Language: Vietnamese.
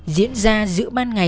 diễn ra giữa ban ngày